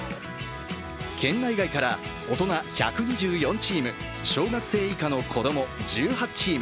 県内外から大人１２４チーム小学生以下の子供１８チーム。